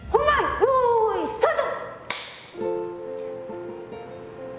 よいスタート！